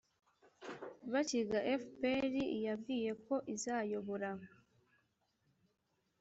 Bakiga fpr iyabwiye ko izayobora